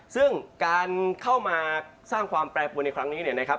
ซึ่งการเข้ามาสร้างความแปรปวนในครั้งนี้เนี่ยนะครับ